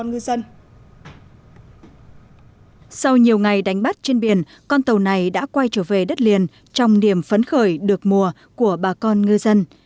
sau nhiều ngày đánh bắt trên biển con tàu này đã quay trở về đất liền trong điểm phấn khởi được mùa của bà con ngư dân